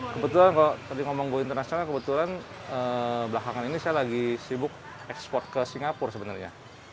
kebetulan kalau tadi ngomong go internasional kebetulan belakangan ini saya lagi sibuk ekspor ke singapura sebenarnya